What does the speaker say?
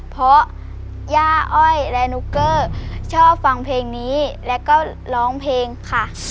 เพราะย่าอ้อยและนุกเกอร์ชอบฟังเพลงนี้แล้วก็ร้องเพลงค่ะ